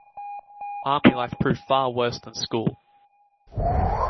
Army life proved far worse than school.